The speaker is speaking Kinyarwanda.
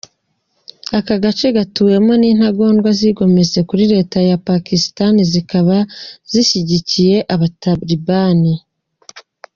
Aka gace gatuwemo nintagondwa zigometse kuri Leta ya Pakistan zikaba zishyigikiye Abatalibani.